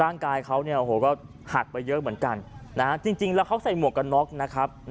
ร่างกายเขาเนี่ยโอ้โหก็หักไปเยอะเหมือนกันนะฮะจริงแล้วเขาใส่หมวกกันน็อกนะครับ